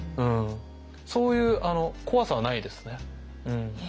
そういう怖さはないですね。